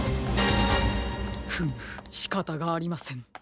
フムしかたがありません。